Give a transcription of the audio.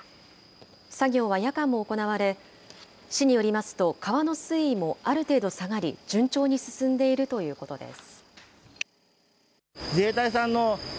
作業は夜間も行われ、市によりますと、川の水位もある程度下がり、順調に進んでいるということです。